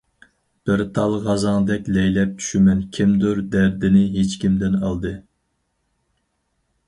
بىر تال غازاڭدەك لەيلەپ چۈشىمەن كىمدۇر دەردىنى ھېچكىمدىن ئالدى.